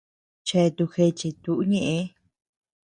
Cheatu géche tuʼu ñeʼe.